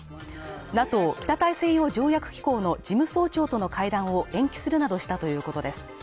ＮＡＴＯ＝北大西洋条約機構の事務総長との会談を延期するなどしたということです。